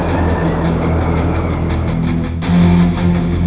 iya pak man